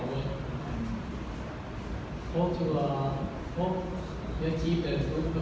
หวังว่าคุณจะชีพสรุปรับได้